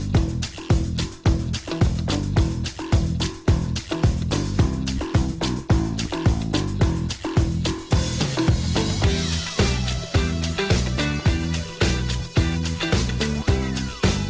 โปรดติดตามตอนต่อไป